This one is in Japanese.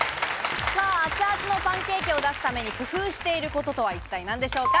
熱々のパンケーキを出すために工夫していることとは一体何でしょうか？